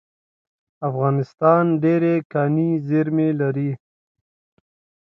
افغانستان ډیرې کاني زیرمې لري